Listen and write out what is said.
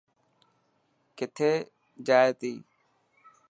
ڪٿي جائي تي.